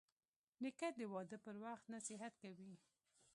نیکه د واده پر وخت نصیحت کوي.